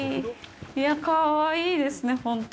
いやぁ、かわいいですね、ほんと。